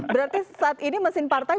berarti saat ini mesin partai